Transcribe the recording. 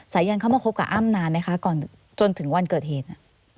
สายันเข้ามาคบกับอ้ำนานไหมคะก่อนจนถึงวันเกิดเหตุ